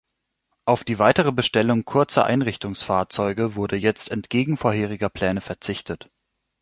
Auf die weitere Bestellung kurzer Einrichtungsfahrzeuge wurde jetzt entgegen vorheriger Pläne verzichtet.